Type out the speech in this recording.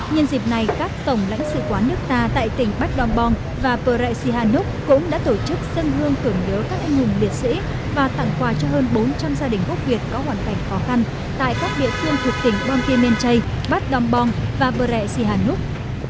nhân dịp này các tổng lãnh sự quán nước ta tại tỉnh bắc đồng bòn và bờ rệ sì hà núc cũng đã tổ chức dân hương tưởng nhớ các anh hùng liệt sĩ và tặng quà cho hơn bốn trăm linh gia đình quốc việt có hoàn cảnh khó khăn tại các địa khuyên thuộc tỉnh đông kỳ mênh chây bắc đồng bòn và bờ rệ sì hà núc